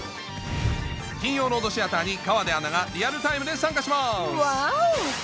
金曜ロードシアターに河出アナがリアルタイムで参加しますワオ！